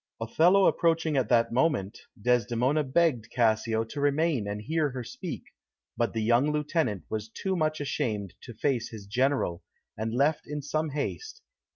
Othello approaching at that moment, Desdemona begged Cassio to remain and hear her speak, but the young lieutenant was too much ashamed to face his General, and left in some haste.